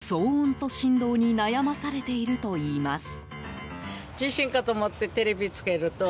騒音と振動に悩まされているといいます。